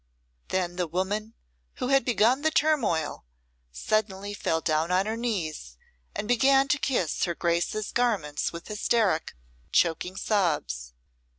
Then the woman who had begun the turmoil suddenly fell down on her knees and began to kiss her Grace's garments with hysteric, choking sobs.